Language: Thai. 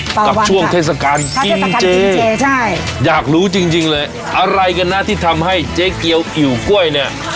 กับช่วงเทศกาลกินเจใช่อยากรู้จริงจริงเลยอะไรกันนะที่ทำให้เจ๊เกียวอิ๋วกล้วยเนี่ย